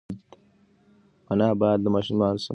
انا باید له ماشوم سره مینه وکړي.